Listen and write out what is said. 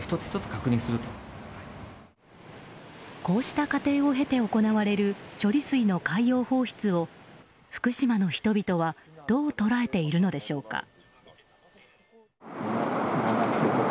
こうした過程を経て行われる処理水の海洋放出を福島の人々はどう捉えているのでしょうか。